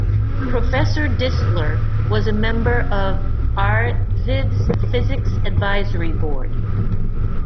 Professor Distler was a member of arXiv's physics advisory board.